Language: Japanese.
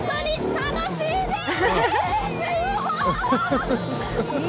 楽しいです！